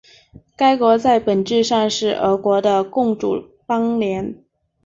该国在本质上是俄国的共主邦联。